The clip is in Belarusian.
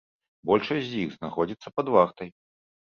Большасць з іх знаходзіцца пад вартай.